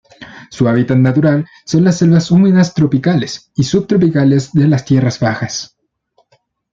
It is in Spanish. Su hábitat natural son las selvas húmedas tropicales y subtropicales de las tierras bajas.